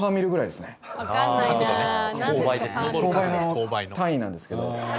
勾配の単位なんですけど。